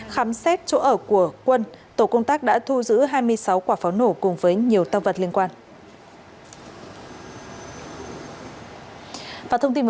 khám xét chỗ ở của quân tổ công tác đã thu giữ hai mươi sáu quả pháo nổ cùng với nhiều tăng vật liên quan